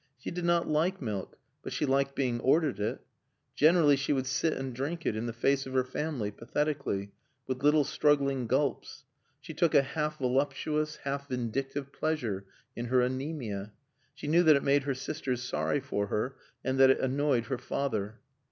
She did not like milk, but she liked being ordered it. Generally she would sit and drink it, in the face of her family, pathetically, with little struggling gulps. She took a half voluptuous, half vindictive pleasure in her anæmia. She knew that it made her sisters sorry for her, and that it annoyed her father.